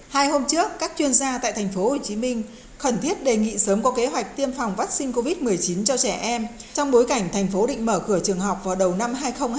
hai hôm trước các chuyên gia tại tp hcm khẩn thiết đề nghị sớm có kế hoạch tiêm phòng vaccine covid một mươi chín cho trẻ em trong bối cảnh thành phố định mở cửa trường học vào đầu năm hai nghìn hai mươi